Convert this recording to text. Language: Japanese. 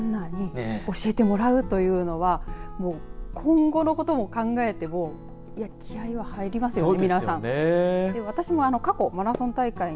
やっぱりトップランナーに教えてもらうというのは今後のことを考えても気合を入れますよね